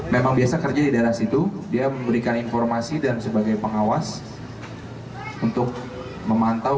memang biasa kerja di daerah situ dia memberikan informasi dan sebagai pengawas untuk memantau